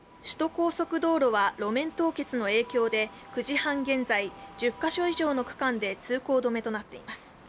首都高速道路は路面凍結の影響で９時半現在、１０カ所以上の区間で通行止めとなっています。